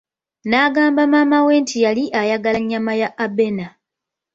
N'agamba maama we nti yali ayagala nnyama ya Abena.